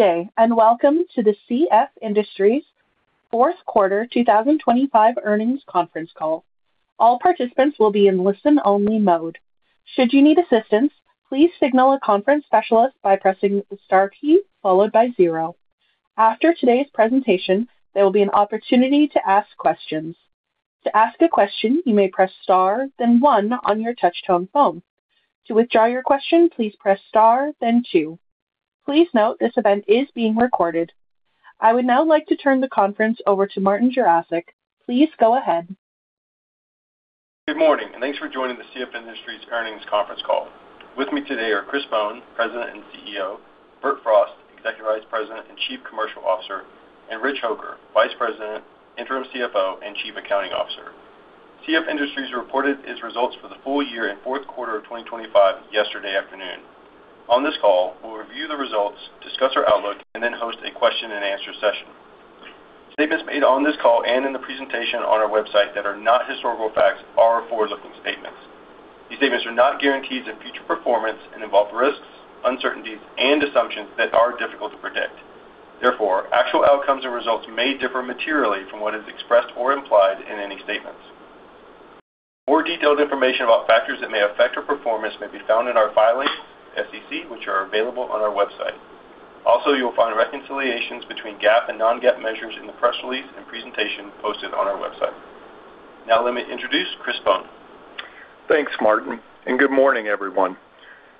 Good day, and welcome to the CF Industries Q4 2025 Earnings Conference Call. All participants will be in listen-only mode. Should you need assistance, please signal a conference specialist by pressing the star key followed by zero. After today's presentation, there will be an opportunity to ask questions. To ask a question, you may press star, then one on your touchtone phone. To withdraw your question, please press star, then two. Please note, this event is being recorded. I would now like to turn the conference over to Martin Jarosick. Please go ahead. Good morning, and thanks for joining the CF Industries Earnings Conference Call. With me today are Chris Bohn, President and CEO, Bert Frost, Executive Vice President and Chief Commercial Officer, and Rich Hoker, Vice President, Interim CFO, and Chief Accounting Officer. CF Industries reported its results for the full year and Q4 of 2025 yesterday afternoon. On this call, we'll review the results, discuss our outlook, and then host a question-and-answer session. Statements made on this call and in the presentation on our website that are not historical facts are forward-looking statements. These statements are not guarantees of future performance and involve risks, uncertainties, and assumptions that are difficult to predict. Therefore, actual outcomes and results may differ materially from what is expressed or implied in any statements. More detailed information about factors that may affect our performance may be found in our filings with the SEC, which are available on our website. Also, you will find reconciliations between GAAP and non-GAAP measures in the press release and presentation posted on our website. Now let me introduce Chris Bohn. Thanks, Martin, and good morning, everyone.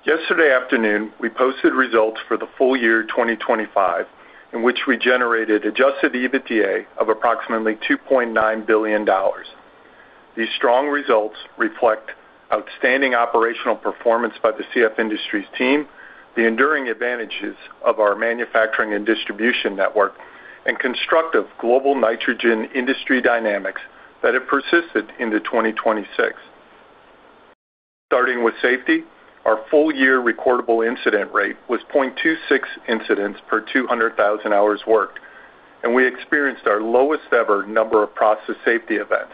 Yesterday afternoon, we posted results for the full year 2025, in which we generated adjusted EBITDA of approximately $2.9 billion. These strong results reflect outstanding operational performance by the CF Industries team, the enduring advantages of our manufacturing and distribution network, and constructive global nitrogen industry dynamics that have persisted into 2026. Starting with safety, our full-year recordable incident rate was 0.26 incidents per 200,000 hours worked, and we experienced our lowest-ever number of process safety events.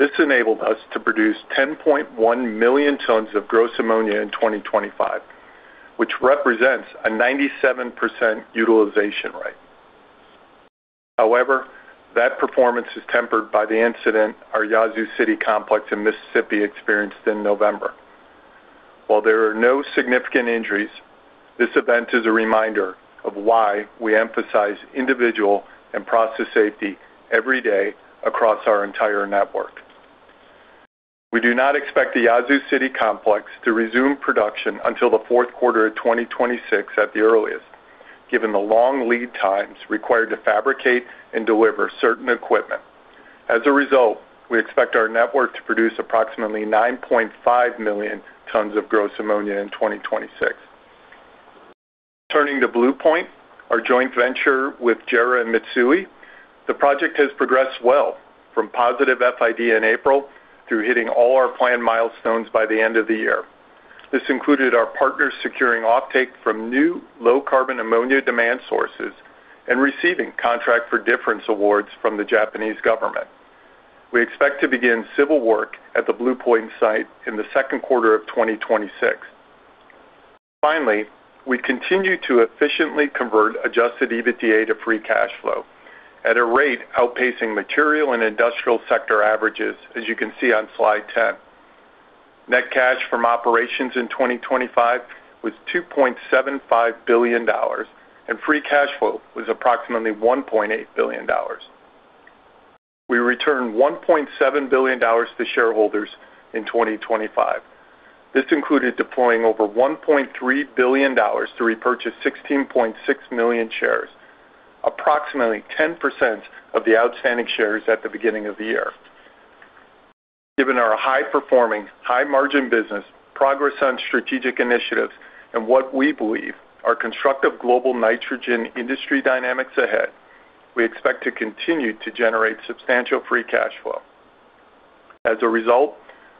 This enabled us to produce 10.1 million tons of gross ammonia in 2025, which represents a 97% utilization rate. However, that performance is tempered by the incident our Yazoo City complex in Mississippi experienced in November. While there are no significant injuries, this event is a reminder of why we emphasize individual and process safety every day across our entire network. We do not expect the Yazoo City complex to resume production until the Q4 of 2026 at the earliest, given the long lead times required to fabricate and deliver certain equipment. As a result, we expect our network to produce approximately 9.5 million tons of gross ammonia in 2026. Turning to Blue Point, our joint venture with JERA and Mitsui, the project has progressed well from positive FID in April through hitting all our planned milestones by the end of the year. This included our partners securing offtake from new low-carbon ammonia demand sources and receiving Contract for Difference awards from the Japanese government. We expect to begin civil work at the Blue Point site in the Q1 of 2026. Finally, we continue to efficiently convert adjusted EBITDA to free cash flow at a rate outpacing material and industrial sector averages, as you can see on slide 10. Net cash from operations in 2025 was $2.75 billion, and free cash flow was approximately $1.8 billion. We returned $1.7 billion to shareholders in 2025. This included deploying over $1.3 billion to repurchase 16.6 million shares, approximately 10% of the outstanding shares at the beginning of the year. Given our high-performing, high-margin business, progress on strategic initiatives, and what we believe are constructive global nitrogen industry dynamics ahead, we expect to continue to generate substantial free cash flow. As a result,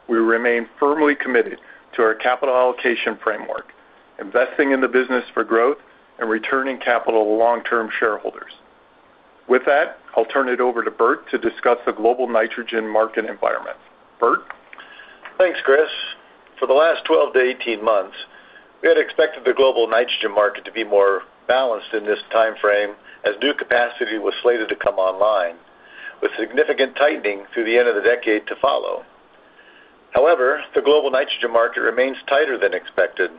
we remain firmly committed to our capital allocation framework, investing in the business for growth and returning capital to long-term shareholders. With that, I'll turn it over to Bert to discuss the global nitrogen market environment. Bert? Thanks, Chris. For the last 12-18 months, we had expected the global nitrogen market to be more balanced in this time frame, as new capacity was slated to come online, with significant tightening through the end of the decade to follow. However, the global nitrogen market remains tighter than expected.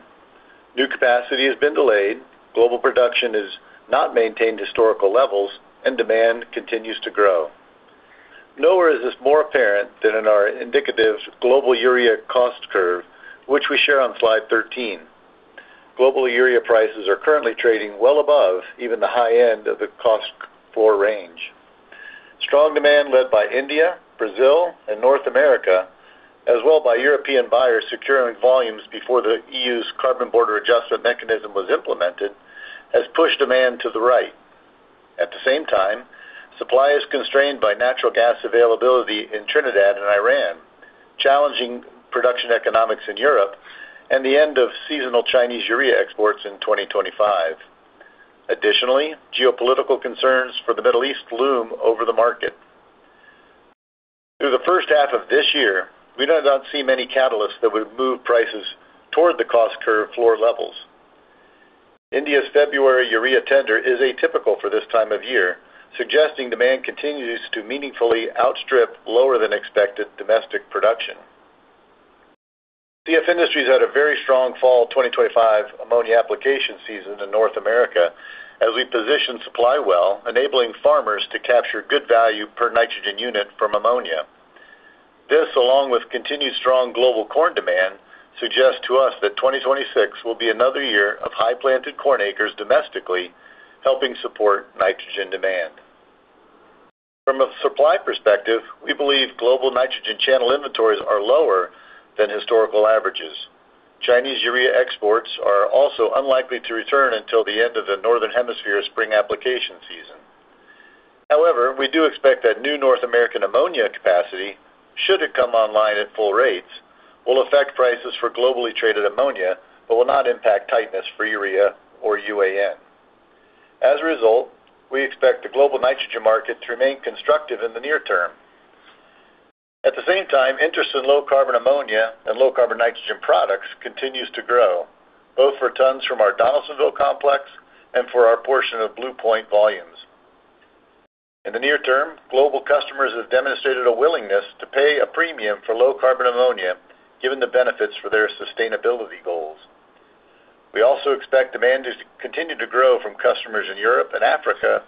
New capacity has been delayed, global production has not maintained historical levels, and demand continues to grow. Nowhere is this more apparent than in our indicative global urea cost curve, which we share on slide 13. Global urea prices are currently trading well above even the high end of the cost curve range. Strong demand, led by India, Brazil, and North America, as well by European buyers securing volumes before the EU's Carbon Border Adjustment Mechanism was implemented, has pushed demand to the right. At the same time, supply is constrained by natural gas availability in Trinidad and Iran, challenging production economics in Europe, and the end of seasonal Chinese urea exports in 2025. Additionally, geopolitical concerns for the Middle East loom over the market. For the first half of this year, we do not see many catalysts that would move prices toward the cost curve floor levels. India's February urea tender is atypical for this time of year, suggesting demand continues to meaningfully outstrip lower than expected domestic production. CF Industries had a very strong fall 2025 ammonia application season in North America as we positioned supply well, enabling farmers to capture good value per nitrogen unit from ammonia. This, along with continued strong global corn demand, suggests to us that 2026 will be another year of high planted corn acres domestically, helping support nitrogen demand. From a supply perspective, we believe global nitrogen channel inventories are lower than historical averages. Chinese urea exports are also unlikely to return until the end of the Northern Hemisphere spring application season. However, we do expect that new North American ammonia capacity, should it come online at full rates, will affect prices for globally traded ammonia, but will not impact tightness for urea or UAN. As a result, we expect the global nitrogen market to remain constructive in the near term. At the same time, interest in low carbon ammonia and low carbon nitrogen products continues to grow, both for tons from our Donaldsonville complex and for our portion of Blue Point volumes. In the near term, global customers have demonstrated a willingness to pay a premium for low carbon ammonia, given the benefits for their sustainability goals. We also expect demand to continue to grow from customers in Europe and Africa,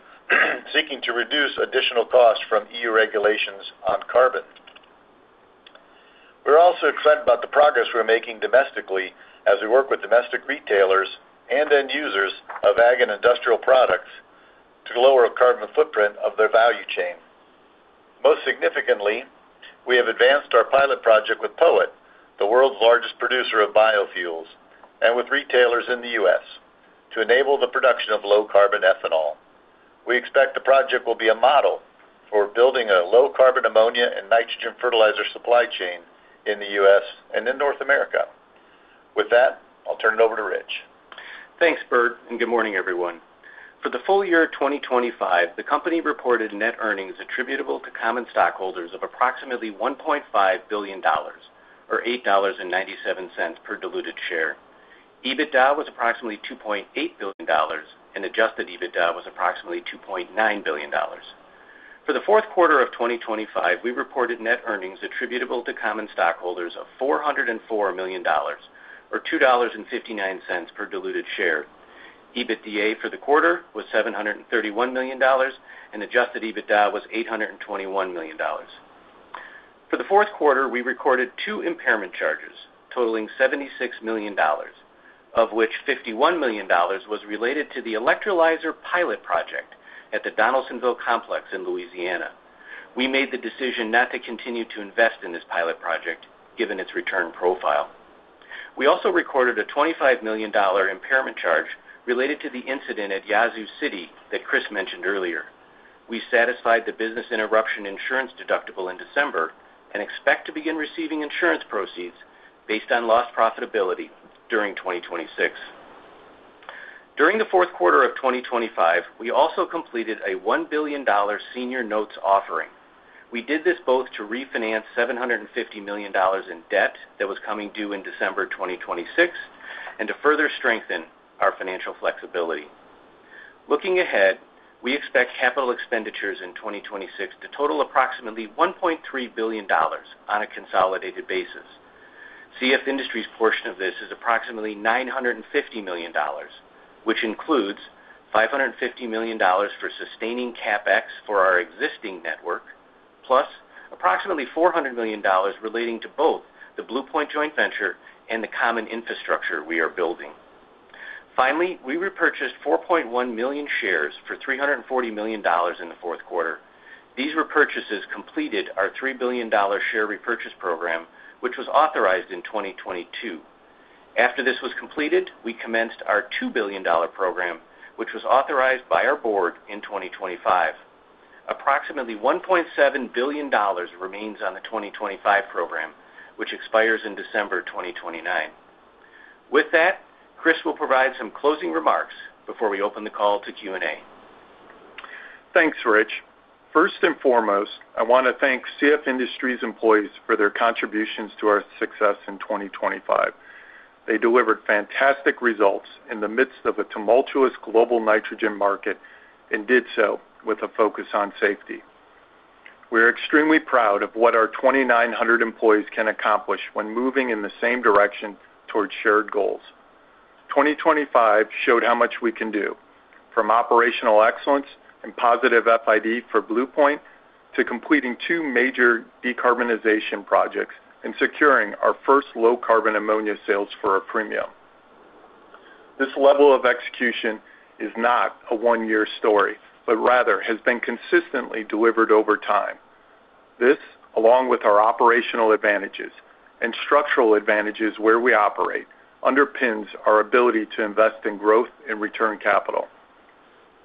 seeking to reduce additional costs from EU regulations on carbon. We're also excited about the progress we're making domestically as we work with domestic retailers and end users of ag and industrial products to lower our carbon footprint of their value chain. Most significantly, we have advanced our pilot project with POET, the world's largest producer of biofuels, and with retailers in the U.S. to enable the production of low carbon ethanol. We expect the project will be a model for building a low carbon ammonia and nitrogen fertilizer supply chain in the U.S. and in North America. With that, I'll turn it over to Rich. Thanks, Bert, and good morning, everyone. For the full year of 2025, the company reported net earnings attributable to common stockholders of approximately $1.5 billion, or $8.97 per diluted share. EBITDA was approximately $2.8 billion, and adjusted EBITDA was approximately $2.9 billion. For the Q4 of 2025, we reported net earnings attributable to common stockholders of $404 million, or $2.59 per diluted share. EBITDA for the quarter was $731 million, and adjusted EBITDA was $821 million. For the Q4, we recorded two impairment charges totaling $76 million, of which $51 million was related to the electrolyzer pilot project at the Donaldsonville complex in Louisiana. We made the decision not to continue to invest in this pilot project, given its return profile. We also recorded a $25 million impairment charge related to the incident at Yazoo City that Chris mentioned earlier. We satisfied the business interruption insurance deductible in December and expect to begin receiving insurance proceeds based on lost profitability during 2026. During the Q4 of 2025, we also completed a $1 billion senior notes offering. We did this both to refinance $750 million in debt that was coming due in December 2026, and to further strengthen our financial flexibility. Looking ahead, we expect capital expenditures in 2026 to total approximately $1.3 billion on a consolidated basis. CF Industries' portion of this is approximately $950 million, which includes $550 million for sustaining CapEx for our existing network, plus approximately $400 million relating to both the Blue Point joint venture and the common infrastructure we are building. Finally, we repurchased 4.1 million shares for $340 million in the Q4. These repurchases completed our $3 billion share repurchase program, which was authorized in 2022. After this was completed, we commenced our $2 billion program, which was authorized by our board in 2025. Approximately $1.7 billion remains on the 2025 program, which expires in December 2029. With that, Chris will provide some closing remarks before we open the call to Q&A. Thanks, Rich. First and foremost, I want to thank CF Industries employees for their contributions to our success in 2025. They delivered fantastic results in the midst of a tumultuous global nitrogen market and did so with a focus on safety. We are extremely proud of what our 2,900 employees can accomplish when moving in the same direction towards shared goals. 2025 showed how much we can do, from operational excellence and positive FID for Blue Point, to completing two major decarbonization projects and securing our first low-carbon ammonia sales for a premium. This level of execution is not a one-year story, but rather has been consistently delivered over time. This, along with our operational advantages and structural advantages where we operate, underpins our ability to invest in growth and return capital.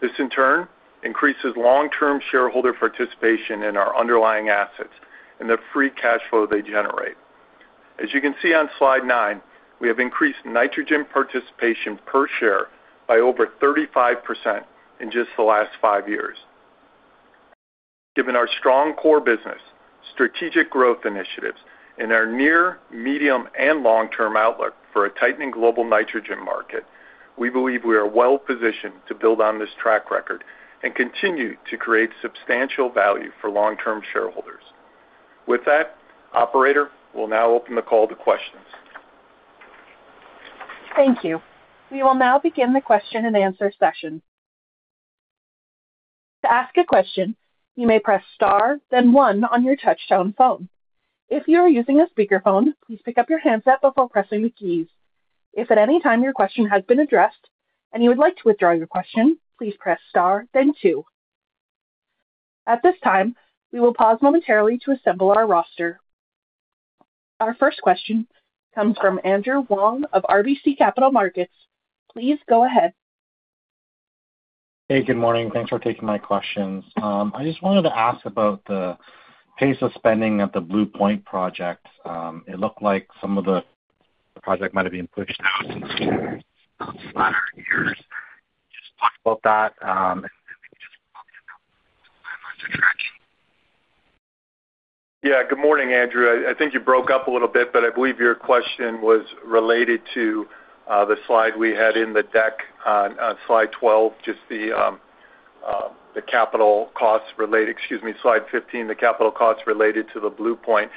This, in turn, increases long-term shareholder participation in our underlying assets and the free cash flow they generate. ...As you can see on slide 9, we have increased nitrogen participation per share by over 35% in just the last 5 years. Given our strong core business, strategic growth initiatives, and our near, medium, and long-term outlook for a tightening global nitrogen market, we believe we are well positioned to build on this track record and continue to create substantial value for long-term shareholders. With that, operator, we'll now open the call to questions. Thank you. We will now begin the question-and-answer session. To ask a question, you may press star, then one on your touchtone phone. If you are using a speakerphone, please pick up your handset before pressing the keys. If at any time your question has been addressed and you would like to withdraw your question, please press star then two. At this time, we will pause momentarily to assemble our roster. Our first question comes from Andrew Wong of RBC Capital Markets. Please go ahead. Hey, good morning. Thanks for taking my questions. I just wanted to ask about the pace of spending at the Blue Point project. It looked like some of the project might have been pushed out in later years. Just talk about that, and then we can just talk about the timelines attraction. Yeah. Good morning, Andrew. I think you broke up a little bit, but I believe your question was related to the slide we had in the deck on slide 12, just the capital costs related - excuse me, slide 15, the capital costs related to the Blue Point.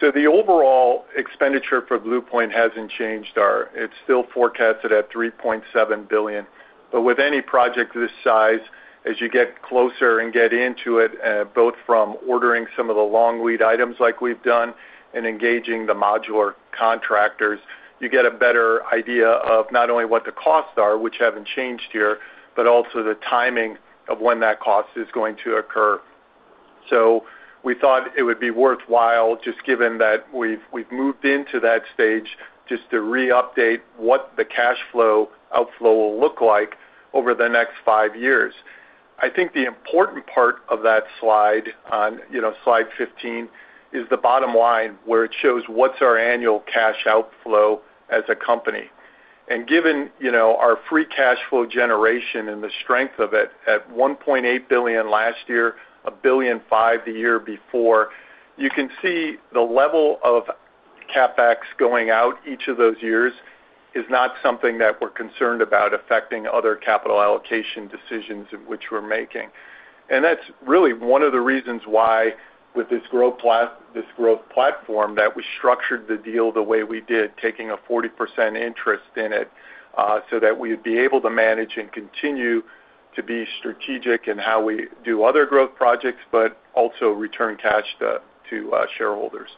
So the overall expenditure for Blue Point hasn't changed - it's still forecasted at $3.7 billion. But with any project this size, as you get closer and get into it, both from ordering some of the long lead items like we've done and engaging the modular contractors, you get a better idea of not only what the costs are, which haven't changed here, but also the timing of when that cost is going to occur. So we thought it would be worthwhile, just given that we've moved into that stage, just to re-update what the cash flow outflow will look like over the next five years. I think the important part of that slide on, you know, slide 15, is the bottom line, where it shows what's our annual cash outflow as a company. And given, you know, our free cash flow generation and the strength of it at $1.8 billion last year, $1.5 billion the year before, you can see the level of CapEx going out each of those years is not something that we're concerned about affecting other capital allocation decisions in which we're making. That's really one of the reasons why, with this growth platform, that we structured the deal the way we did, taking a 40% interest in it, so that we'd be able to manage and continue to be strategic in how we do other growth projects, but also return cash to shareholders.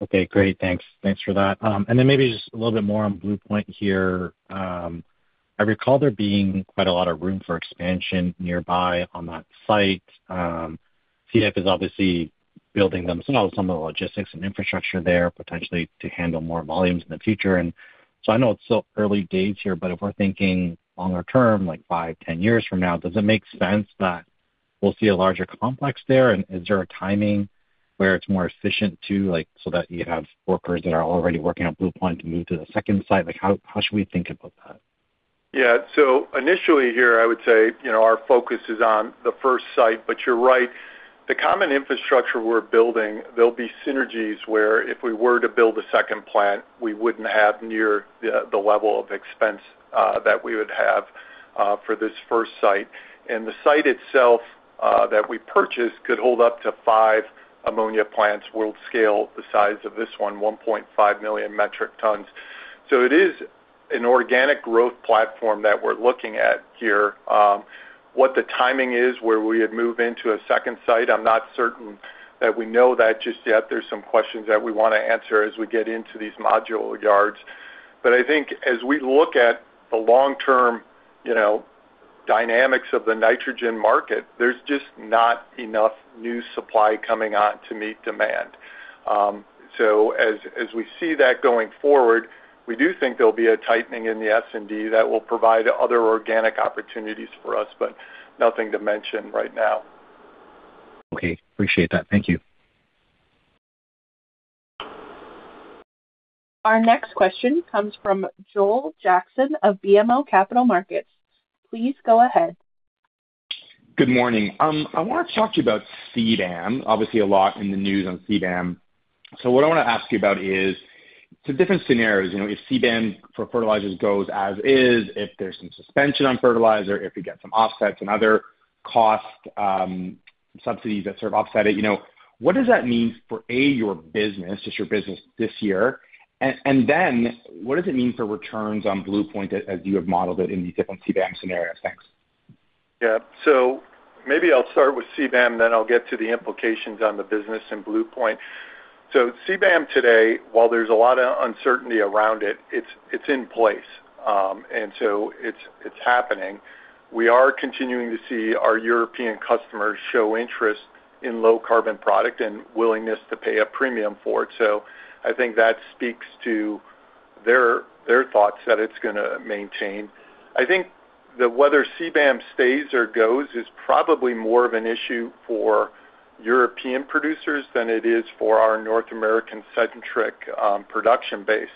Okay, great. Thanks. Thanks for that. And then maybe just a little bit more on Blue Point here. I recall there being quite a lot of room for expansion nearby on that site. CF is obviously building themselves some of the logistics and infrastructure there, potentially to handle more volumes in the future. And so I know it's still early days here, but if we're thinking longer term, like five, 10 years from now, does it make sense that we'll see a larger complex there? And is there a timing where it's more efficient to, like, so that you have workers that are already working on Blue Point to move to the second site? Like, how should we think about that? Yeah. Initially here, I would say, you know, our focus is on the first site. But you're right, the common infrastructure we're building, there'll be synergies where if we were to build a second plant, we wouldn't have near the level of expense that we would have for this first site. And the site itself that we purchased could hold up to five ammonia plants world scale, the size of this one, 1.5 million metric tons. So it is an organic growth platform that we're looking at here. What the timing is, where we would move into a second site, I'm not certain that we know that just yet. There's some questions that we wanna answer as we get into these module yards. But I think as we look at the long-term, you know, dynamics of the nitrogen market, there's just not enough new supply coming on to meet demand. So as we see that going forward, we do think there'll be a tightening in the S&D that will provide other organic opportunities for us, but nothing to mention right now. Okay, appreciate that. Thank you. Our next question comes from Joel Jackson of BMO Capital Markets. Please go ahead. Good morning. I wanna talk to you about CBAM. Obviously, a lot in the news on CBAM. So what I wanna ask you about is different scenarios. You know, if CBAM for fertilizers goes as is, if there's some suspension on fertilizer, if we get some offsets and other cost subsidies that sort of offset it, you know, what does that mean for, A, your business, just your business this year? And then what does it mean for returns on Blue Point as you have modeled it in these different CBAM scenarios? Thanks. Yeah. So maybe I'll start with CBAM, then I'll get to the implications on the business and Blue Point. So CBAM today, while there's a lot of uncertainty around it, it's in place. And so it's happening. We are continuing to see our European customers show interest in low carbon product and willingness to pay a premium for it. So I think that speaks to their thoughts that it's gonna maintain. I think that whether CBAM stays or goes is probably more of an issue for European producers than it is for our North American-centric production base.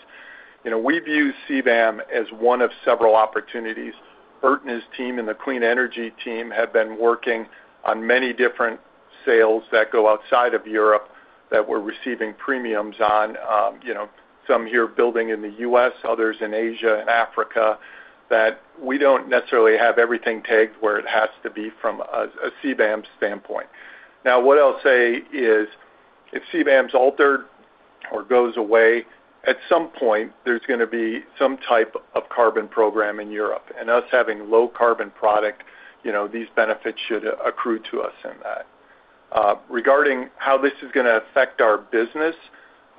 You know, we view CBAM as one of several opportunities. Bert and his team and the clean energy team have been working on many different sales that go outside of Europe that we're receiving premiums on, you know, some here building in the U.S., others in Asia and Africa, that we don't necessarily have everything tagged where it has to be from a CBAM standpoint. Now, what I'll say is, if CBAM's altered or goes away, at some point, there's gonna be some type of carbon program in Europe, and us having low carbon product, you know, these benefits should accrue to us in that. Regarding how this is gonna affect our business,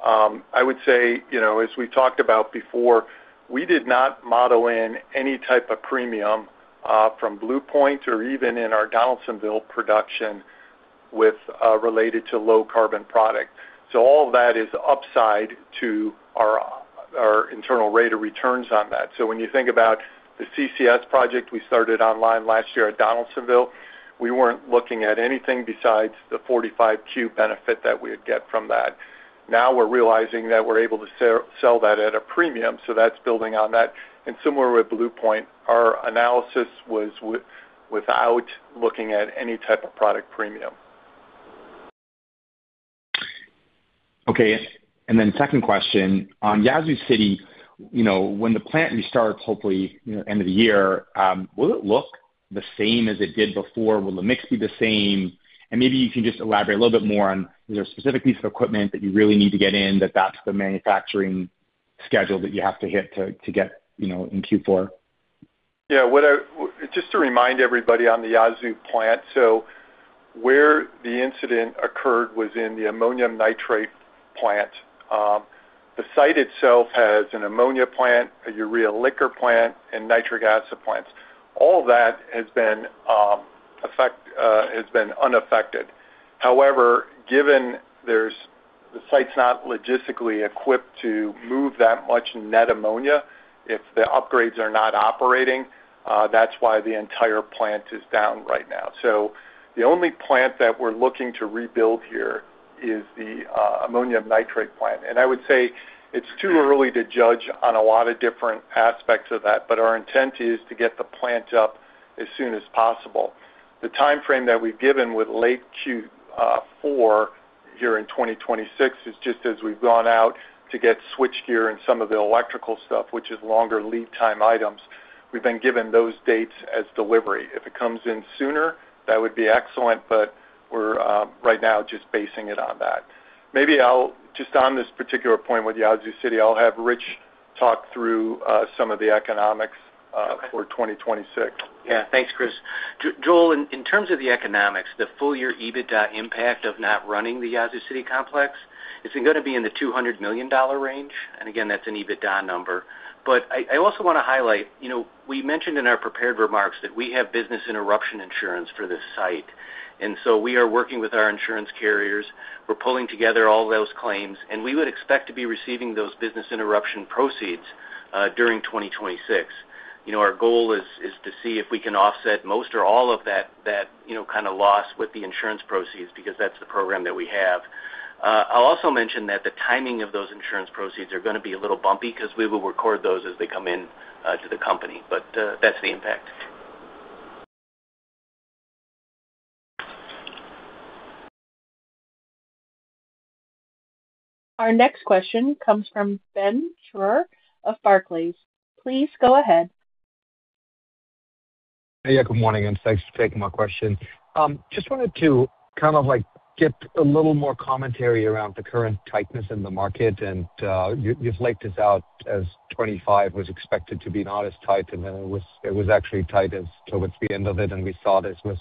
I would say, you know, as we talked about before, we did not model in any type of premium from Blue Point or even in our Donaldsonville production with related to low carbon product. So all of that is upside to our internal rate of returns on that. So when you think about the CCS project we started online last year at Donaldsonville, we weren't looking at anything besides the 45Q benefit that we would get from that. Now we're realizing that we're able to sell that at a premium, so that's building on that. And similar with Blue Point, our analysis was without looking at any type of product premium. Okay. And then second question, on Yazoo City, you know, when the plant restarts, hopefully, you know, end of the year, will it look the same as it did before? Will the mix be the same? And maybe you can just elaborate a little bit more on, is there a specific piece of equipment that you really need to get in, that's the manufacturing schedule that you have to hit to get, you know, in Q4? Yeah, just to remind everybody on the Yazoo plant, so where the incident occurred was in the ammonium nitrate plant. The site itself has an ammonia plant, a urea liquor plant, and nitric acid plants. All that has been unaffected. However, given the site's not logistically equipped to move that much net ammonia if the upgrades are not operating, that's why the entire plant is down right now. So the only plant that we're looking to rebuild here is the ammonium nitrate plant, and I would say it's too early to judge on a lot of different aspects of that, but our intent is to get the plant up as soon as possible. The time frame that we've given with late Q4 here in 2026 is just as we've gone out to get switch gear and some of the electrical stuff, which is longer lead time items, we've been given those dates as delivery. If it comes in sooner, that would be excellent, but we're right now just basing it on that. Maybe I'll, just on this particular point with Yazoo City, I'll have Rich talk through some of the economics for 2026. Yeah. Thanks, Chris. Joel, in terms of the economics, the full year EBITDA impact of not running the Yazoo City complex is gonna be in the $200 million range, and again, that's an EBITDA number. But I also wanna highlight, you know, we mentioned in our prepared remarks that we have business interruption insurance for this site, and so we are working with our insurance carriers. We're pulling together all those claims, and we would expect to be receiving those business interruption proceeds during 2026. You know, our goal is to see if we can offset most or all of that, you know, kind of loss with the insurance proceeds, because that's the program that we have. I'll also mention that the timing of those insurance proceeds are gonna be a little bumpy because we will record those as they come in to the company, but that's the impact. Our next question comes from Ben Theurer of Barclays. Please go ahead. Hey, yeah, good morning, and thanks for taking my question. Just wanted to kind of, like, get a little more commentary around the current tightness in the market. You've laid this out as '2025 was expected to be not as tight, and then it was, it was actually tight as towards the end of it, and we saw this with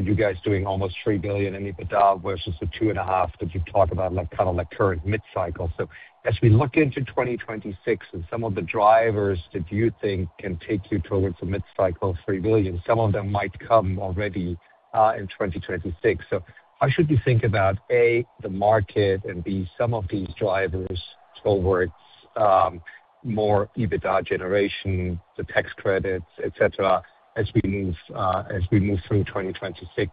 you guys doing almost $3 billion in EBITDA versus the $2.5 billion that you've talked about, like, kind of like current mid-cycle. So as we look into 2026 and some of the drivers that you think can take you towards a mid-cycle of $3 billion, some of them might come already in 2026. So how should we think about, A, the market, and B, some of these drivers towards more EBITDA generation, the tax credits, et cetera, as we move through 2026,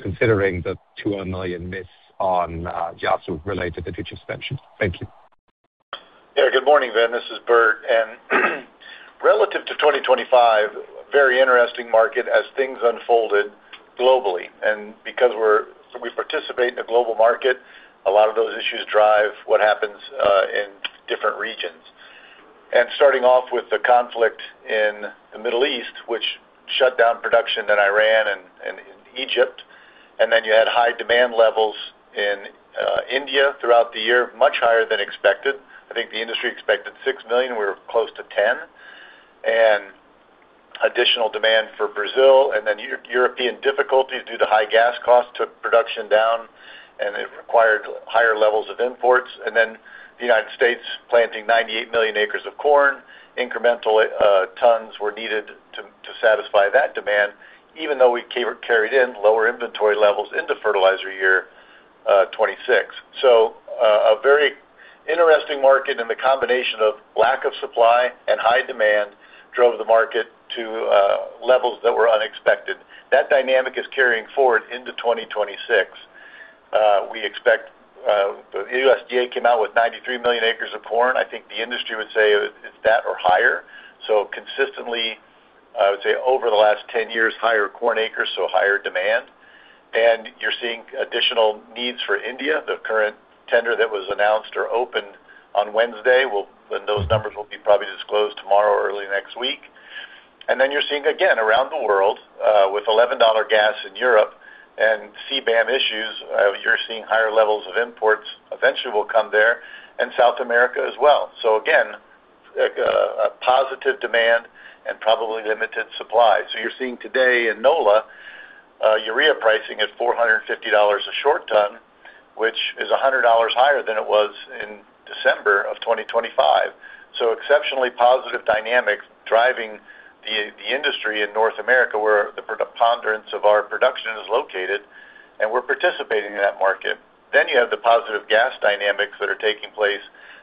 considering the $200 million miss on Yazoo related to the suspension? Thank you. Yeah. Good morning, Ben. This is Bert, and relative to 2025, very interesting market as things unfolded globally. And because we participate in the global market, a lot of those issues drive what happens in different regions. And starting off with the conflict in the Middle East, which shut down production in Iran and Egypt, and then you had high demand levels in India throughout the year, much higher than expected. I think the industry expected 6 million, we were close to 10. And additional demand for Brazil, and then European difficulties due to high gas costs took production down, and it required higher levels of imports. And then the United States planting 98 million acres of corn, incremental tons were needed to satisfy that demand, even though we carried in lower inventory levels into fertilizer year.... '26. So, a very interesting market, and the combination of lack of supply and high demand drove the market to levels that were unexpected. That dynamic is carrying forward into 2026. We expect the USDA came out with 93 million acres of corn. I think the industry would say it's that or higher. So consistently, I would say, over the last 10 years, higher corn acres, so higher demand. And you're seeing additional needs for India. The current tender that was announced or opened on Wednesday will and those numbers will be probably disclosed tomorrow or early next week. And then you're seeing, again, around the world, with $11 gas in Europe and CBAM issues, you're seeing higher levels of imports eventually will come there, and South America as well. So again, a positive demand and probably limited supply. So you're seeing today in NOLA, urea pricing at $450 a short ton, which is $100 higher than it was in December of 2025. Exceptionally positive dynamics driving the industry in North America, where the preponderance of our production is located, and we're participating in that market. You have the positive gas dynamics that are taking place.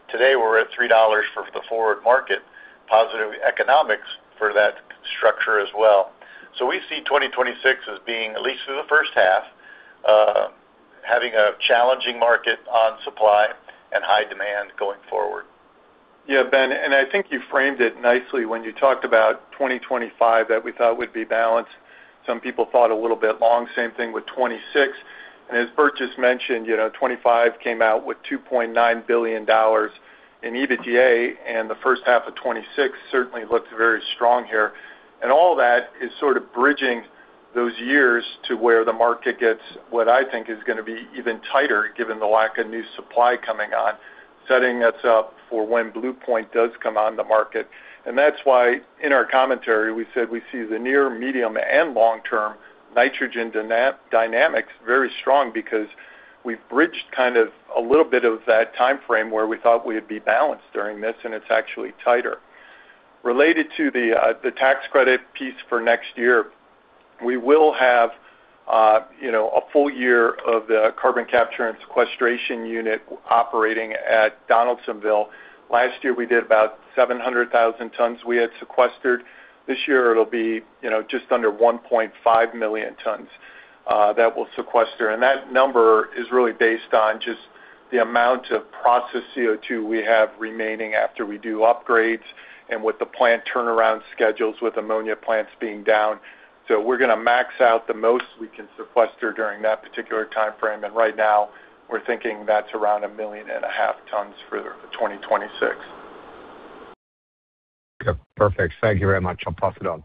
Today, we're at $3 for the forward market. Positive economics for that structure as well. We see 2026 as being, at least through the first half, having a challenging market on supply and high demand going forward. Yeah, Ben, and I think you framed it nicely when you talked about 2025 that we thought would be balanced. Some people thought a little bit long, same thing with 2026. And as Bert just mentioned, you know, 2025 came out with $2.9 billion in EBITDA, and the first half of 2026 certainly looks very strong here. And all that is sort of bridging those years to where the market gets what I think is gonna be even tighter, given the lack of new supply coming on, setting us up for when Blue Point does come on the market. And that's why, in our commentary, we said we see the near, medium, and long-term nitrogen dynamics very strong because we've bridged kind of a little bit of that time frame where we thought we'd be balanced during this, and it's actually tighter. Related to the tax credit piece for next year, we will have, you know, a full year of the carbon capture and sequestration unit operating at Donaldsonville. Last year, we did about 700,000 tons we had sequestered. This year, it'll be, you know, just under 1.5 million tons that we'll sequester. And that number is really based on just the amount of processed CO2 we have remaining after we do upgrades and with the plant turnaround schedules, with ammonia plants being down. So we're gonna max out the most we can sequester during that particular time frame, and right now, we're thinking that's around 1.5 million tons for 2026. Okay, perfect. Thank you very much. I'll pass it on.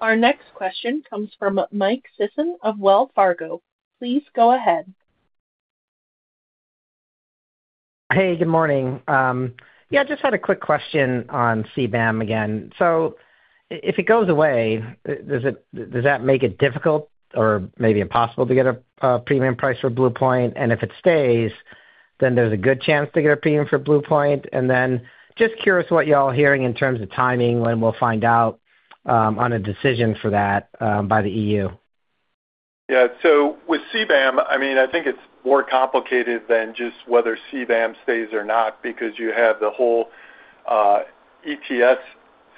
Our next question comes from Mike Sisson of Wells Fargo. Please go ahead. Hey, good morning. Yeah, just had a quick question on CBAM again. So if it goes away, does that make it difficult or maybe impossible to get a premium price for Blue Point? And if it stays, then there's a good chance to get a premium for Blue Point. And then just curious what y'all hearing in terms of timing, when we'll find out on a decision for that by the EU. Yeah. So with CBAM, I mean, I think it's more complicated than just whether CBAM stays or not, because you have the whole ETS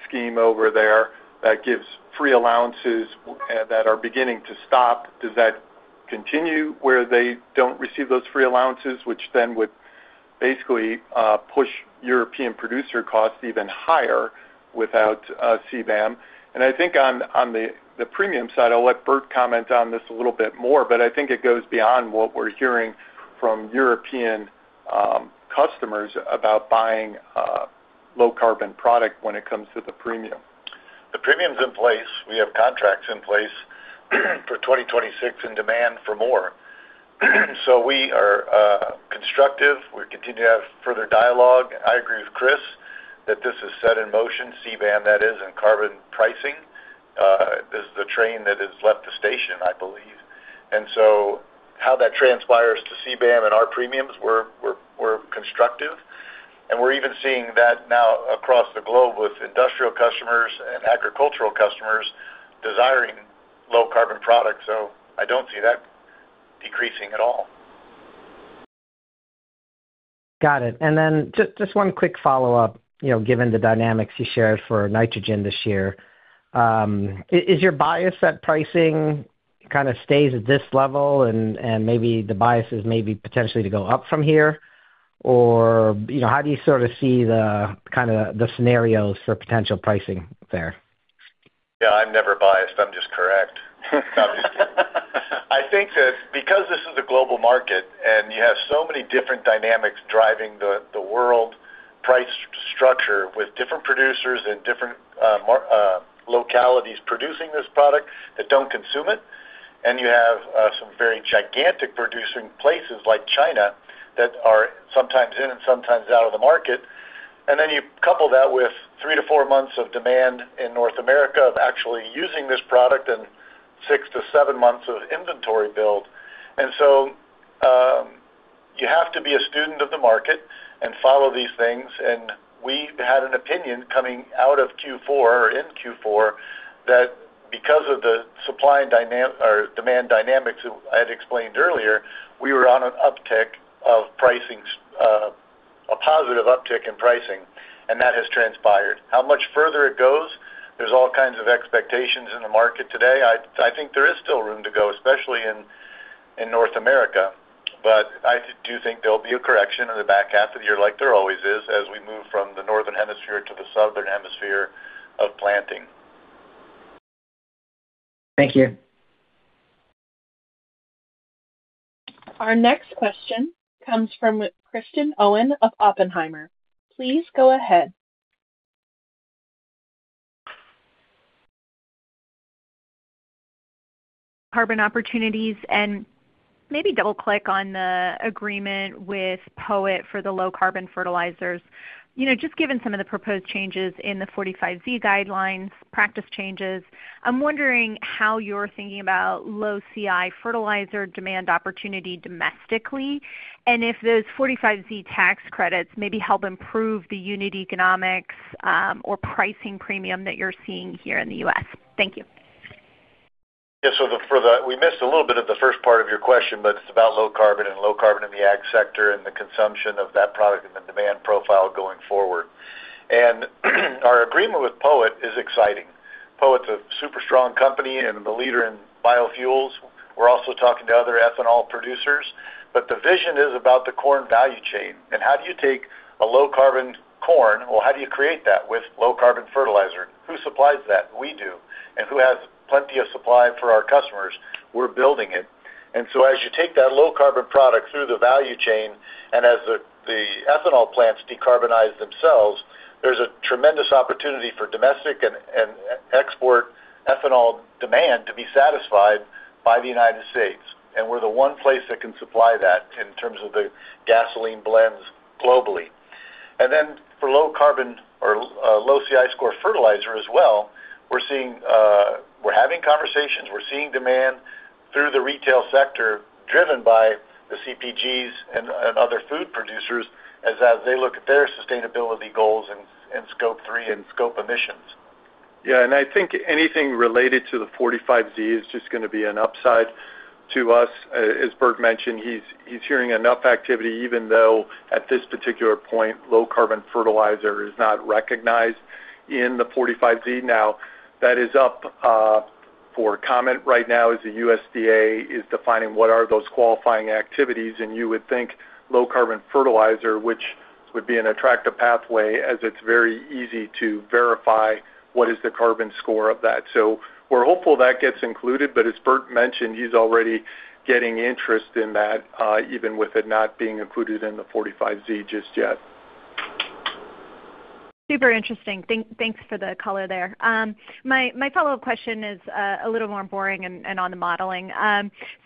scheme over there that gives free allowances that are beginning to stop. Does that continue where they don't receive those free allowances, which then would basically push European producer costs even higher without CBAM? And I think on the premium side, I'll let Bert comment on this a little bit more, but I think it goes beyond what we're hearing from European customers about buying low carbon product when it comes to the premium. The premium's in place. We have contracts in place for 2026 and demand for more. So we are constructive. We continue to have further dialogue. I agree with Chris that this is set in motion, CBAM that is, and carbon pricing. This is a train that has left the station, I believe. And so how that transpires to CBAM and our premiums, we're, we're, we're constructive, and we're even seeing that now across the globe with industrial customers and agricultural customers desiring low carbon products. So I don't see that decreasing at all. Got it. And then just one quick follow-up. You know, given the dynamics you shared for nitrogen this year, is your bias that pricing kind of stays at this level and maybe the bias is maybe potentially to go up from here? Or, you know, how do you sort of see the kind of scenarios for potential pricing there? Yeah, I'm never biased. I'm just correct. I think that because this is a global market and you have so many different dynamics driving the world price structure with different producers and different markets or localities producing this product that don't consume it, and you have some very gigantic producing places like China that are sometimes in and sometimes out of the market. And then you couple that with 3-4 months of demand in North America of actually using this product and 6-7 months of inventory build. To be a student of the market and follow these things, and we had an opinion coming out of Q4 or in Q4, that because of the supply and demand dynamics I had explained earlier, we were on an uptick of pricing, a positive uptick in pricing, and that has transpired. How much further it goes, there's all kinds of expectations in the market today. I, I think there is still room to go, especially in, in North America, but I do think there'll be a correction in the back half of the year, like there always is, as we move from the Northern Hemisphere to the Southern Hemisphere of planting. Thank you. Our next question comes from Kristen Owen of Oppenheimer. Please go ahead. Carbon opportunities, and maybe double-click on the agreement with POET for the low carbon fertilizers. You know, just given some of the proposed changes in the 45Z guidelines, practice changes, I'm wondering how you're thinking about low CI fertilizer demand opportunity domestically, and if those 45Z tax credits maybe help improve the unit economics, or pricing premium that you're seeing here in the U.S. Thank you. Yeah, so the—for the—we missed a little bit of the first part of your question, but it's about low carbon and low carbon in the ag sector and the consumption of that product and the demand profile going forward. Our agreement with POET is exciting. POET's a super strong company and the leader in biofuels. We're also talking to other ethanol producers, but the vision is about the corn value chain. And how do you take a low carbon corn, or how do you create that with low carbon fertilizer? Who supplies that? We do. And who has plenty of supply for our customers? We're building it. And so as you take that low carbon product through the value chain, and as the ethanol plants decarbonize themselves, there's a tremendous opportunity for domestic and export ethanol demand to be satisfied by the United States, and we're the one place that can supply that in terms of the gasoline blends globally. And then for low carbon or low CI score fertilizer as well, we're seeing, we're having conversations, we're seeing demand through the retail sector, driven by the CPGs and other food producers as they look at their sustainability goals and Scope 3 and Scope emissions. Yeah, and I think anything related to the 45Z is just gonna be an upside to us. As Bert mentioned, he's hearing enough activity, even though at this particular point, low carbon fertilizer is not recognized in the 45Z. Now, that is up for comment right now as the USDA is defining what are those qualifying activities, and you would think low carbon fertilizer, which would be an attractive pathway, as it's very easy to verify what is the carbon score of that. So we're hopeful that gets included, but as Bert mentioned, he's already getting interest in that, even with it not being included in the 45Z just yet. Super interesting. Thanks for the color there. My follow-up question is a little more boring and on the modeling.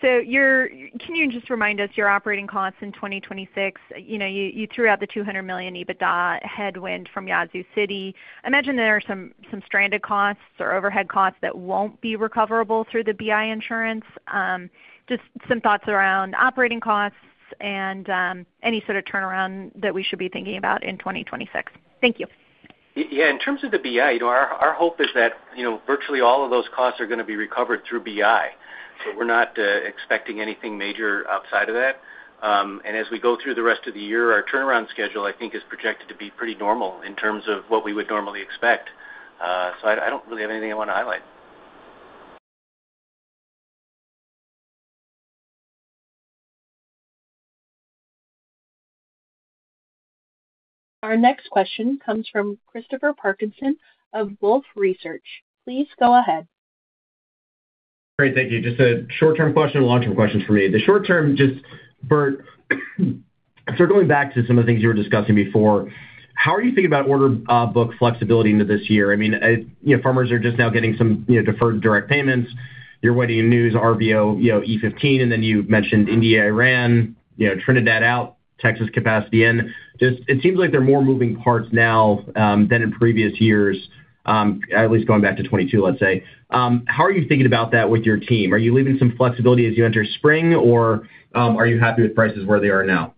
So your can you just remind us your operating costs in 2026? You know, you threw out the $200 million EBITDA headwind from Yazoo City. I imagine there are some stranded costs or overhead costs that won't be recoverable through the BI insurance. Just some thoughts around operating costs and any sort of turnaround that we should be thinking about in 2026. Thank you. Yeah, in terms of the BI, you know, our hope is that, you know, virtually all of those costs are gonna be recovered through BI, so we're not expecting anything major outside of that. As we go through the rest of the year, our turnaround schedule, I think, is projected to be pretty normal in terms of what we would normally expect. I don't really have anything I wanna highlight. Our next question comes from Christopher Parkinson of Wolfe Research. Please go ahead. Great, thank you. Just a short-term question and long-term questions for me. The short term, just Bert, so going back to some of the things you were discussing before, how are you thinking about order book flexibility into this year? I mean, you know, farmers are just now getting some, you know, deferred direct payments. You're waiting for news RVO, you know, E15, and then you mentioned India, Iran, you know, Trinidad out, Texas capacity in. Just it seems like there are more moving parts now than in previous years, at least going back to 2022, let's say. How are you thinking about that with your team? Are you leaving some flexibility as you enter spring, or are you happy with prices where they are now?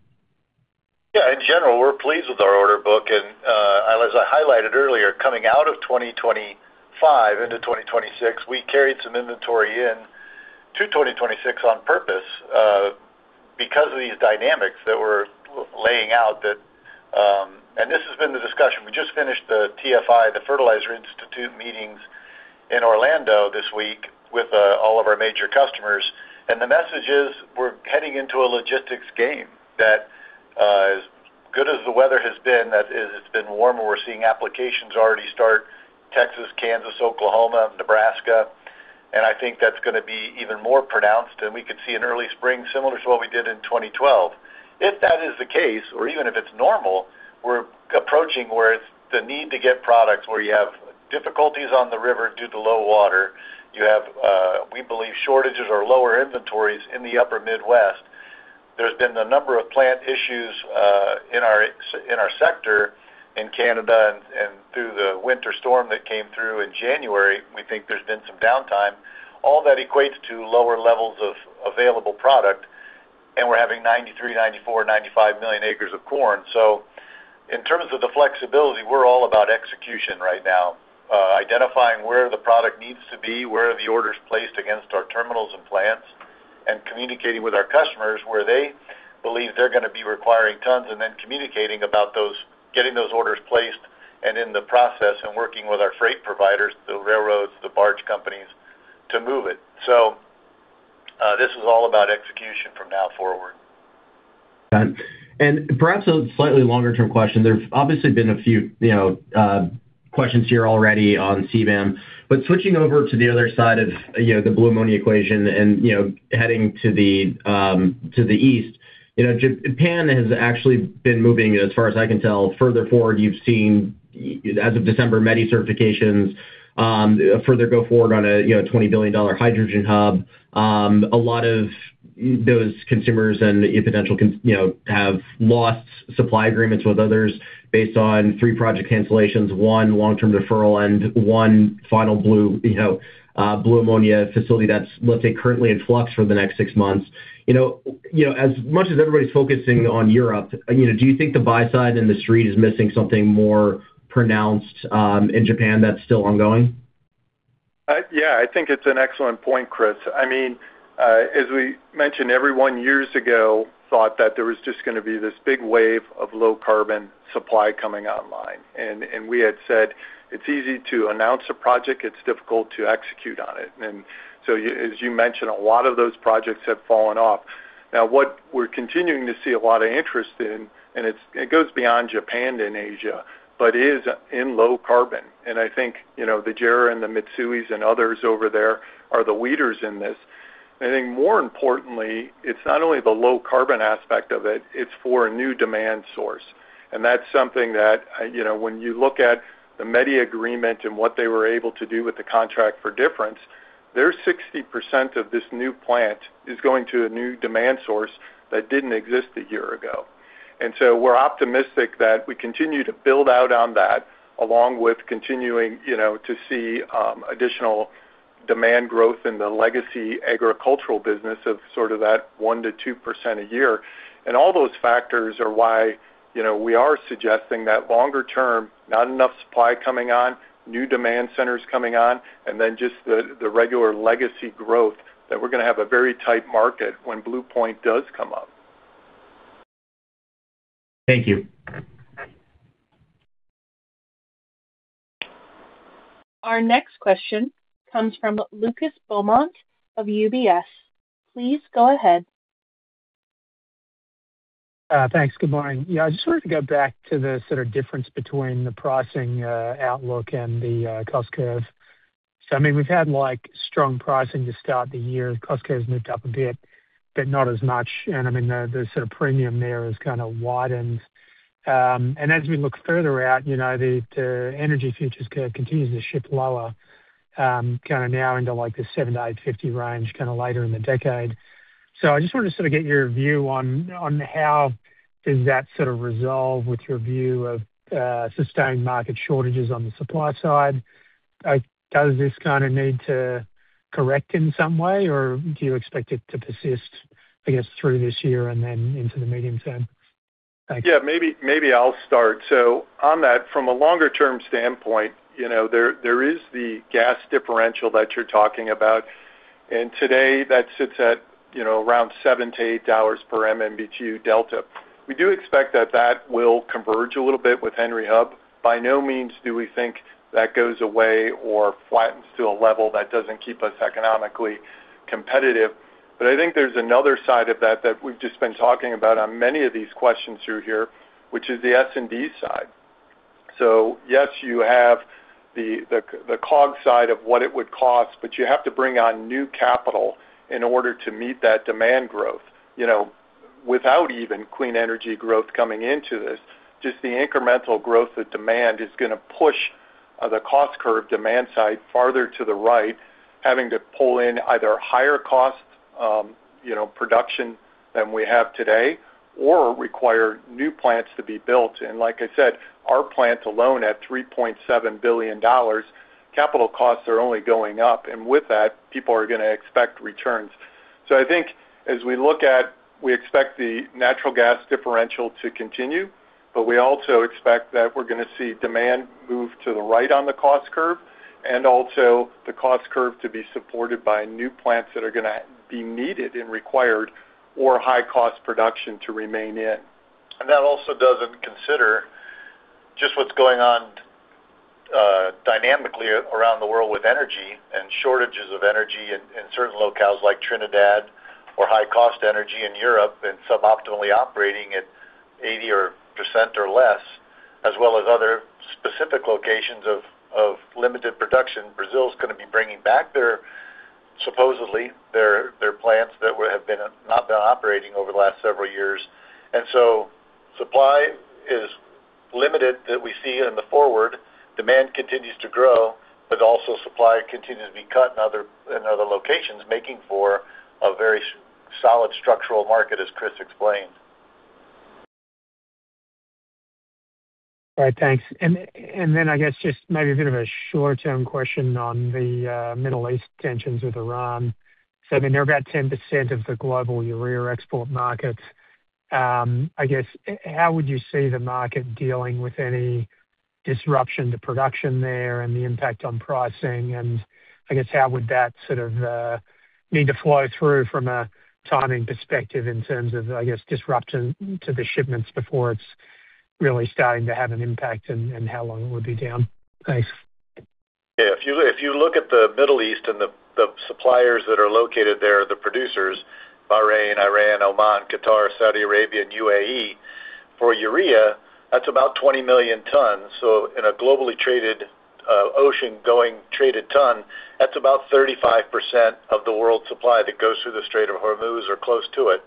Yeah, in general, we're pleased with our order book, and as I highlighted earlier, coming out of 2025 into 2026, we carried some inventory in to 2026 on purpose, because of these dynamics that we're laying out that.... This has been the discussion. We just finished the TFI, the Fertilizer Institute meetings in Orlando this week with all of our major customers, and the message is we're heading into a logistics game that, as good as the weather has been, that is, it's been warmer, we're seeing applications already start Texas, Kansas, Oklahoma, Nebraska, and I think that's gonna be even more pronounced, and we could see an early spring similar to what we did in 2012. If that is the case, or even if it's normal, we're approaching where it's the need to get products, where you have difficulties on the river due to low water, you have, we believe, shortages or lower inventories in the upper Midwest. There's been a number of plant issues, in our sector in Canada and through the winter storm that came through in January, we think there's been some downtime.... all that equates to lower levels of available product, and we're having 93-95 million acres of corn. So in terms of the flexibility, we're all about execution right now. Identifying where the product needs to be, where are the orders placed against our terminals and plants, and communicating with our customers where they believe they're gonna be requiring tons, and then communicating about those, getting those orders placed and in the process, and working with our freight providers, the railroads, the barge companies, to move it. So, this is all about execution from now forward. And perhaps a slightly longer term question. There's obviously been a few, you know, questions here already on CBAM. But switching over to the other side of, you know, the blue ammonia equation and, you know, heading to the to the east. You know, Japan has actually been moving, as far as I can tell, further forward. You've seen, as of December, many certifications, further go forward on a, you know, $20 billion hydrogen hub. A lot of those consumers and the potential, you know, have lost supply agreements with others based on three project cancellations, one long-term deferral, and one final blue, you know, blue ammonia facility that's, let's say, currently in flux for the next six months. You know, you know, as much as everybody's focusing on Europe, you know, do you think the buy side industry is missing something more pronounced in Japan that's still ongoing? Yeah, I think it's an excellent point, Chris. I mean, as we mentioned, everyone years ago thought that there was just gonna be this big wave of low carbon supply coming online. And we had said, it's easy to announce a project, it's difficult to execute on it. And so as you mentioned, a lot of those projects have fallen off. Now, what we're continuing to see a lot of interest in, and it goes beyond Japan and Asia, but is in low carbon. And I think, you know, the JERA and the Mitsui and others over there are the leaders in this. I think more importantly, it's not only the low carbon aspect of it, it's for a new demand source. That's something that, you know, when you look at the Mitsui agreement and what they were able to do with the contract for difference, their 60% of this new plant is going to a new demand source that didn't exist a year ago. And so we're optimistic that we continue to build out on that, along with continuing, you know, to see additional demand growth in the legacy agricultural business of sort of that 1%-2% a year. And all those factors are why, you know, we are suggesting that longer term, not enough supply coming on, new demand centers coming on, and then just the regular legacy growth, that we're gonna have a very tight market when Blue Point does come up. Thank you. Our next question comes from Lucas Beaumont of UBS. Please go ahead. Thanks. Good morning. Yeah, I just wanted to go back to the sort of difference between the pricing, outlook and the cost curve. So I mean, we've had, like, strong pricing to start the year. Cost curve's moved up a bit, but not as much. And I mean, the sort of premium there has kind of widened. And as we look further out, you know, the energy futures curve continues to shift lower, kind of now into like the $7-$8.50 range, kind of later in the decade. So I just wanted to sort of get your view on how does that sort of resolve with your view of sustained market shortages on the supply side? Does this kind of need to correct in some way, or do you expect it to persist, I guess, through this year and then into the medium term? Thank you. Yeah, maybe, maybe I'll start. So on that, from a longer term standpoint, you know, there, there is the gas differential that you're talking about, and today that sits at, you know, around $7-$8 per MMBtu delta. We do expect that that will converge a little bit with Henry Hub. By no means do we think that goes away or flattens to a level that doesn't keep us economically competitive. But I think there's another side of that, that we've just been talking about on many of these questions through here, which is the S&D side. So yes, you have the, the, the COGS side of what it would cost, but you have to bring on new capital in order to meet that demand growth. You know, without even clean energy growth coming into this, just the incremental growth of demand is gonna push the cost curve demand side farther to the right, having to pull in either higher cost, you know, production than we have today, or require new plants to be built. And like I said, our plants alone at $3.7 billion, capital costs are only going up, and with that, people are gonna expect returns. So I think as we look at, we expect the natural gas differential to continue, but we also expect that we're gonna see demand move to the right on the cost curve, and also the cost curve to be supported by new plants that are gonna be needed and required, or high cost production to remain in. That also doesn't consider just what's going on dynamically around the world with energy and shortages of energy in certain locales like Trinidad or high cost energy in Europe, and suboptimally operating at 80% or less, as well as other specific locations of limited production. Brazil's gonna be bringing back their, supposedly, their plants that would have been not been operating over the last several years. So supply is limited that we see in the forward. Demand continues to grow, but also supply continues to be cut in other locations, making for a very solid structural market, as Chris explained.... All right, thanks. And then I guess just maybe a bit of a short-term question on the Middle East tensions with Iran. So I mean, they're about 10% of the global urea export market. I guess how would you see the market dealing with any disruption to production there and the impact on pricing? And I guess how would that sort of need to flow through from a timing perspective in terms of disruption to the shipments before it's really starting to have an impact and how long it would be down? Thanks. Yeah, if you look at the Middle East and the suppliers that are located there, the producers, Bahrain, Iran, Oman, Qatar, Saudi Arabia, and UAE, for urea, that's about 20 million tons. So in a globally traded ocean-going traded ton, that's about 35% of the world's supply that goes through the Strait of Hormuz or close to it.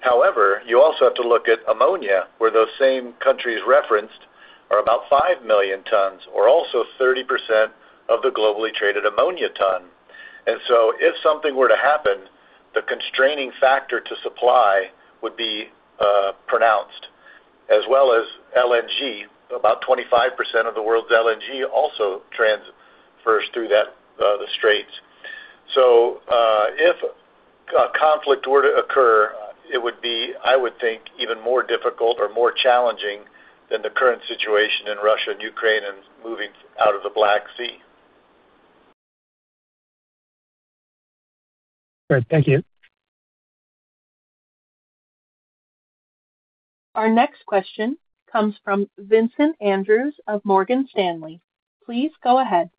However, you also have to look at ammonia, where those same countries referenced are about 5 million tons, or also 30% of the globally traded ammonia ton. And so if something were to happen, the constraining factor to supply would be pronounced, as well as LNG. About 25% of the world's LNG also transfers through that, the straits. So, if a conflict were to occur, it would be, I would think, even more difficult or more challenging than the current situation in Russia and Ukraine and moving out of the Black Sea. Great. Thank you. Our next question comes from Vincent Andrews of Morgan Stanley. Please go ahead.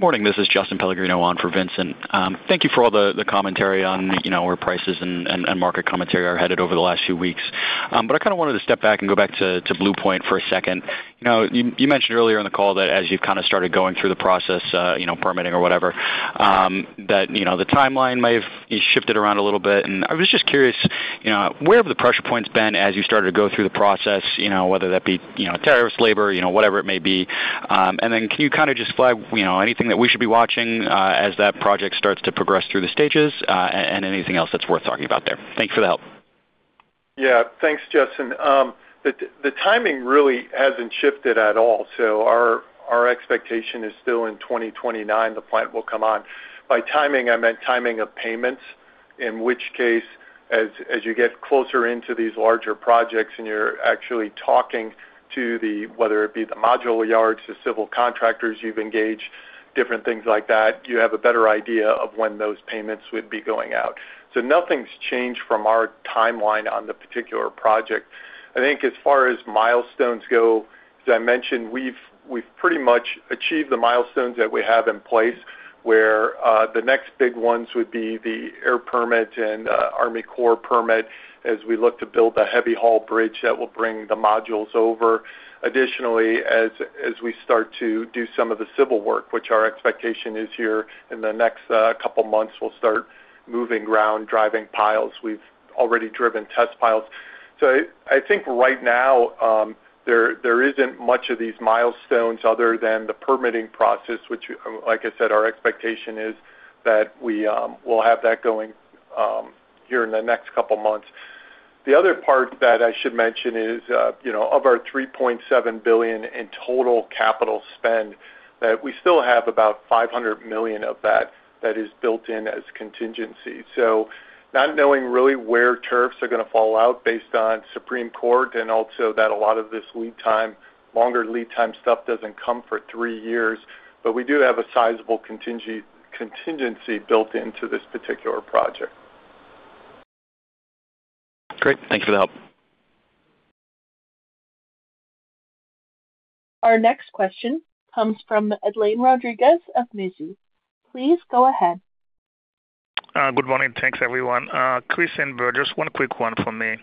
Morning, this is Justin Pellegrino on for Vincent. Thank you for all the commentary on, you know, where prices and market commentary are headed over the last few weeks. But I kind of wanted to step back and go back to Blue Point for a second. You know, you mentioned earlier in the call that as you've kind of started going through the process, you know, permitting or whatever, that, you know, the timeline may have shifted around a little bit. And I was just curious, you know, where have the pressure points been as you started to go through the process, you know, whether that be, you know, tariffs, labor, you know, whatever it may be? And then can you kind of just flag, you know, anything that we should be watching, as that project starts to progress through the stages, and anything else that's worth talking about there? Thanks for the help. Yeah. Thanks, Justin. The timing really hasn't shifted at all, so our expectation is still in 2029, the plant will come on. By timing, I meant timing of payments, in which case, as you get closer into these larger projects and you're actually talking to the, whether it be the modular yards, the civil contractors you've engaged, different things like that, you have a better idea of when those payments would be going out. So nothing's changed from our timeline on the particular project. I think as far as milestones go, as I mentioned, we've pretty much achieved the milestones that we have in place, where the next big ones would be the air permit and Army Corps permit as we look to build the heavy haul bridge that will bring the modules over. Additionally, as we start to do some of the civil work, which our expectation is here in the next couple months, we'll start moving ground, driving piles. We've already driven test piles. So I think right now, there isn't much of these milestones other than the permitting process, which, like I said, our expectation is that we will have that going here in the next couple of months. The other part that I should mention is, you know, of our $3.7 billion in total capital spend, that we still have about $500 million of that that is built in as contingency. So not knowing really where tariffs are gonna fall out based on Supreme Court and also that a lot of this lead time, longer lead time stuff doesn't come for three years, but we do have a sizable contingency built into this particular project. Great. Thank you for the help. Our next question comes from Edlain Rodriguez of Mizuho. Please go ahead. Good morning. Thanks, everyone. Chris and Bert, just one quick one for me.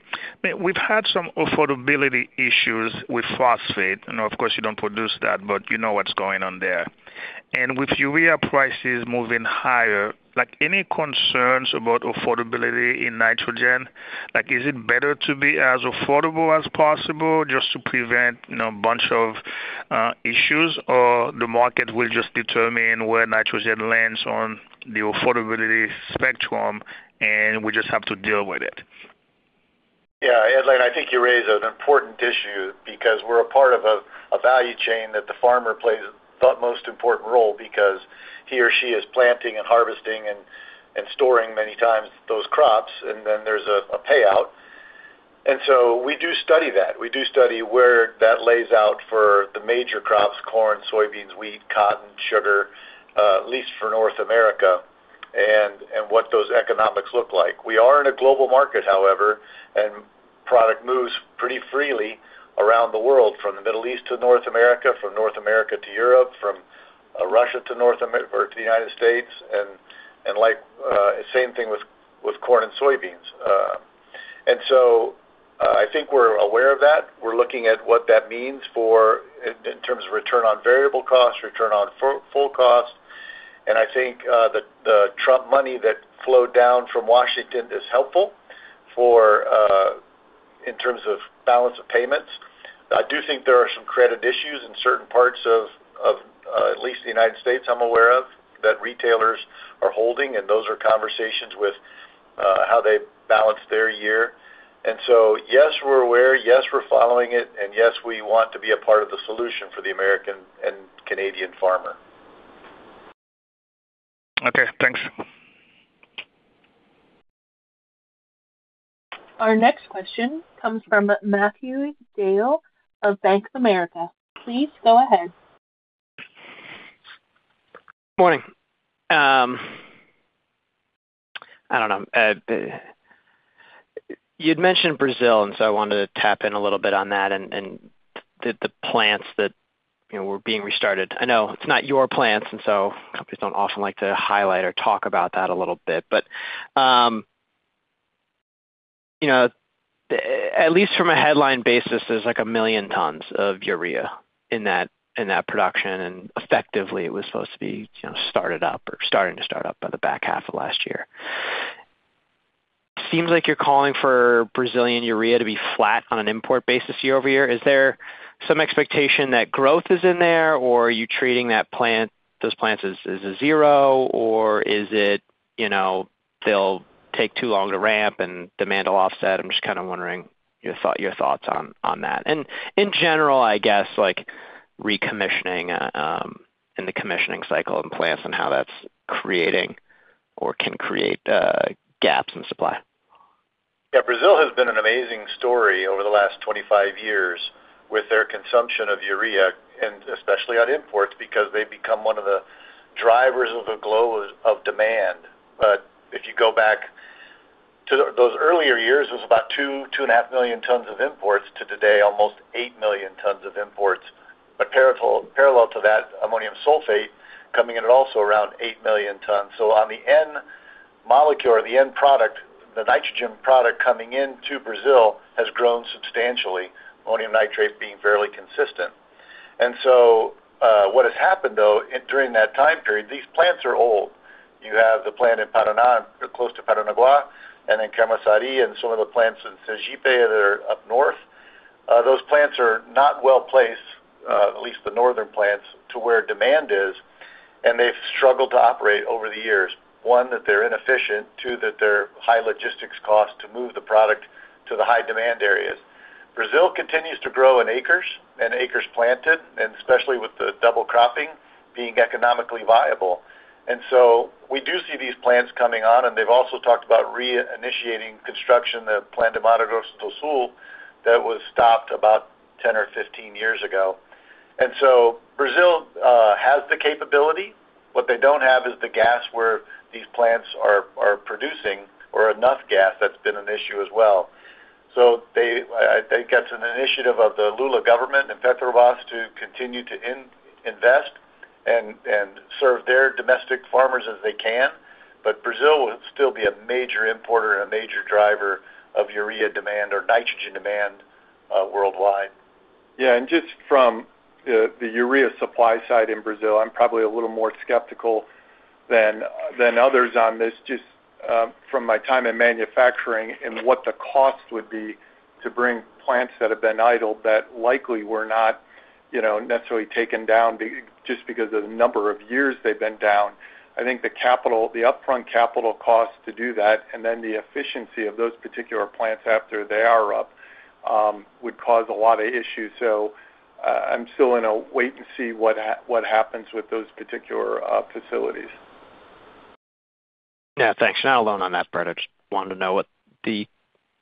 We've had some affordability issues with phosphate, and of course, you don't produce that, but you know what's going on there. With urea prices moving higher, like any concerns about affordability in nitrogen? Like, is it better to be as affordable as possible just to prevent, you know, a bunch of issues, or the market will just determine where nitrogen lands on the affordability spectrum, and we just have to deal with it? Yeah, Adeline, I think you raise an important issue because we're a part of a value chain that the farmer plays the utmost important role because he or she is planting and harvesting and storing many times those crops, and then there's a payout. So we do study that. We do study where that lays out for the major crops: corn, soybeans, wheat, cotton, sugar, at least for North America, and what those economics look like. We are in a global market, however, and product moves pretty freely around the world, from the Middle East to North America, from North America to Europe, from Russia to North America or to the United States, and like same thing with corn and soybeans. So I think we're aware of that. We're looking at what that means for in terms of return on variable costs, return on full costs. And I think the Trump money that flowed down from Washington is helpful for in terms of balance of payments. I do think there are some credit issues in certain parts of at least the United States, I'm aware of, that retailers are holding, and those are conversations with how they balance their year. And so, yes, we're aware, yes, we're following it, and, yes, we want to be a part of the solution for the American and Canadian farmer. Okay, thanks. Our next question comes from Matthew DeYoe of Bank of America. Please go ahead. Morning. I don't know, you'd mentioned Brazil, and so I wanted to tap in a little bit on that and, and the, the plants that, you know, were being restarted. I know it's not your plants, and so companies don't often like to highlight or talk about that a little bit. But, you know, at least from a headline basis, there's like 1 million tons of urea in that, in that production, and effectively, it was supposed to be, you know, started up or starting to start up by the back half of last year. Seems like you're calling for Brazilian urea to be flat on an import basis year over year. Is there some expectation that growth is in there, or are you treating that plant, those plants as, as a zero, or is it, you know, they'll take too long to ramp and demand will offset? I'm just kind of wondering your thought- your thoughts on, on that. And in general, I guess, like, recommissioning, and the commissioning cycle and plants and how that's creating or can create, gaps in supply. Yeah, Brazil has been an amazing story over the last 25 years with their consumption of urea, and especially on imports, because they've become one of the drivers of the globe of demand. But if you go back to those earlier years, it was about 2-2.5 million tons of imports, to today, almost 8 million tons of imports. But parallel to that, ammonium sulfate coming in at also around 8 million tons. So on the end molecule or the end product, the nitrogen product coming into Brazil has grown substantially, ammonium nitrate being fairly consistent. And so, what has happened, though, during that time period, these plants are old. You have the plant in Paraná, close to Paranaguá, and in Camaçari and some of the plants in Sergipe that are up north. Those plants are not well-placed, at least the northern plants, to where demand is, and they've struggled to operate over the years. One, that they're inefficient. Two, that they're high logistics costs to move the product to the high-demand areas. Brazil continues to grow in acres and acres planted, and especially with the double cropping being economically viable. And so we do see these plants coming on, and they've also talked about reinitiating construction, the plant in Mato Grosso do Sul, that was stopped about 10 or 15 years ago. And so Brazil has the capability. What they don't have is the gas where these plants are producing, or enough gas. That's been an issue as well. So they, I think, that's an initiative of the Lula government and Petrobras to continue to invest and serve their domestic farmers as they can. But Brazil will still be a major importer and a major driver of urea demand or nitrogen demand, worldwide. Yeah, and just from the urea supply side in Brazil, I'm probably a little more skeptical than others on this, just from my time in manufacturing and what the cost would be to bring plants that have been idle that likely were not, you know, necessarily taken down just because of the number of years they've been down. I think the capital, the upfront capital costs to do that, and then the efficiency of those particular plants after they are up, would cause a lot of issues. So, I'm still in a wait-and-see what happens with those particular facilities. Yeah, thanks. Not alone on that part. I just wanted to know what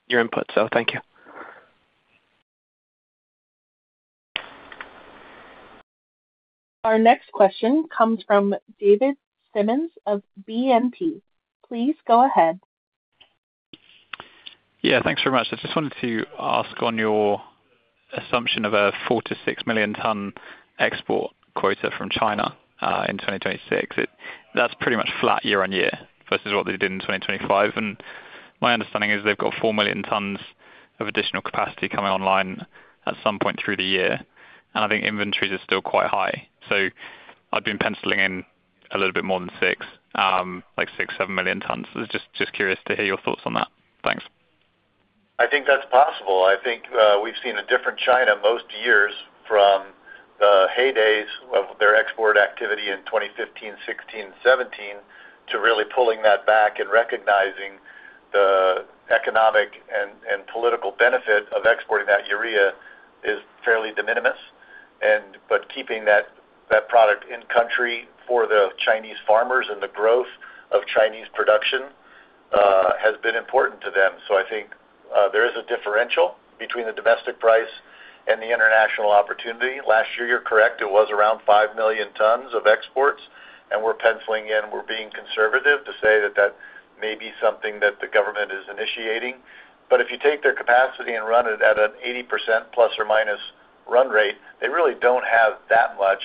your input, so thank you. Our next question comes from David Simmons of BNP. Please go ahead. Yeah, thanks very much. I just wanted to ask on your assumption of a 4-6 million ton export quota from China in 2026. That's pretty much flat year on year versus what they did in 2025, and my understanding is they've got 4 million tons of additional capacity coming online at some point through the year, and I think inventories are still quite high. So I've been penciling in a little bit more than six, like 6-7 million tons. So just curious to hear your thoughts on that. Thanks. I think that's possible. I think, we've seen a different China most years from the heydays of their export activity in 2015, 2016, 2017, to really pulling that back and recognizing the economic and political benefit of exporting that urea is fairly de minimis. But keeping that product in country for the Chinese farmers and the growth of Chinese production has been important to them. So I think, there is a differential between the domestic price and the international opportunity. Last year, you're correct, it was around 5 million tons of exports, and we're penciling in. We're being conservative to say that that may be something that the government is initiating, but if you take their capacity and run it at an 80% ± run rate, they really don't have that much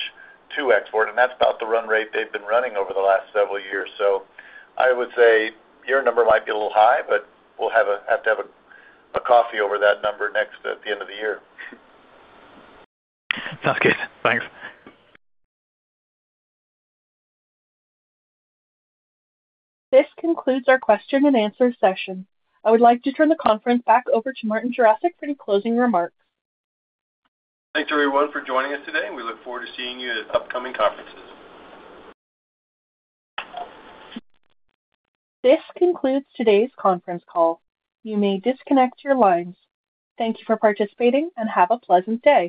to export, and that's about the run rate they've been running over the last several years. So I would say your number might be a little high, but we'll have to have a coffee over that number next at the end of the year. Sounds good. Thanks. This concludes our question and answer session. I would like to turn the conference back over to Martin Jarosick for any closing remarks. Thanks to everyone for joining us today, and we look forward to seeing you at upcoming conferences. This concludes today's conference call. You may disconnect your lines. Thank you for participating, and have a pleasant day.